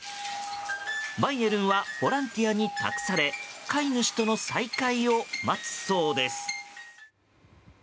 バイエルンはボランティアに託され飼い主との再会を待つそうです。